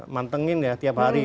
mantengin ya tiap hari